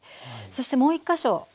そしてもう１か所。